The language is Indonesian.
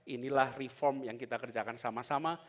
inilah reform yang kita kerjakan sama sama